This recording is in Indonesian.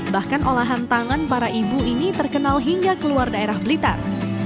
bahkan olahan tangan para ibu ini terkenal hingga keluar daerah blitar